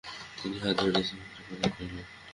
তিনি হাত বাড়িয়ে সিগারেটের প্যাকেট নিলেন।